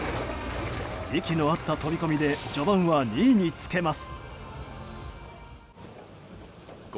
息の合った飛び込みで序盤は２位につけます。